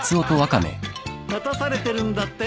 立たされてるんだって？